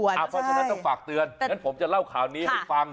อ่ะพ่อสาธารณะต้องฝากเตือนงั้นผมจะเล่าข่าวนี้ให้ฟัง